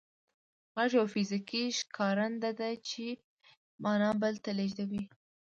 غږ یو فزیکي ښکارنده ده چې معنا بل ته لېږدوي